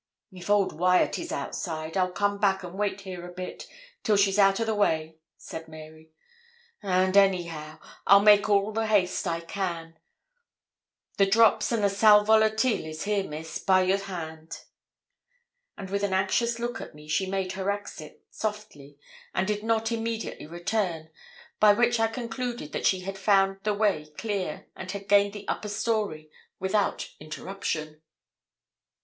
'If old Wyat is outside, I'll come back and wait here a bit, till she's out o' the way,' said Mary; 'and, anyhow, I'll make all the haste I can. The drops and the sal volatile is here, Miss, by your hand.' And with an anxious look at me, she made her exit, softly, and did not immediately return, by which I concluded that she had found the way clear, and had gained the upper story without interruption.